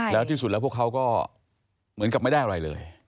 แล้วที่สุดแล้วพวกเขาก็เหมือนกับไม่ได้อะไรเลย